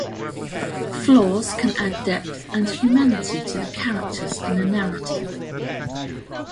Flaws can add depth and humanity to the characters in a narrative.